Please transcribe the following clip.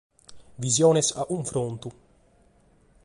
Visiones a cunfrontu.